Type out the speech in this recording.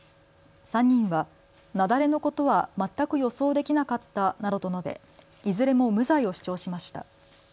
３人は雪崩のことは全く予想できなかったなどと述べいずれも無罪を主張しました。